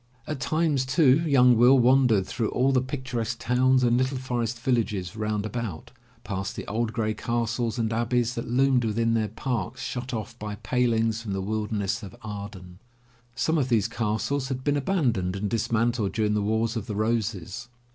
At times, too, young Will wandered through all the picturesque towns and little forest villages round about, past the old gray castles and abbeys that loomed within their parks shut off by palings from the wilderness of Arden. Some of these castles had been abandoned and dismantled during the Wars of the Roses.